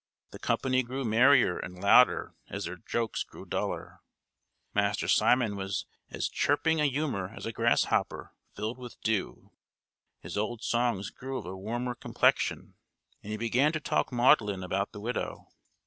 The company grew merrier and louder as their jokes grew duller. Master Simon was in as chirping a humour as a grasshopper filled with dew; his old songs grew of a warmer complexion, and he began to talk maudlin about the widow.